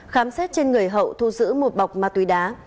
khám xét trên người hậu thu giữ một bọc ma túy đá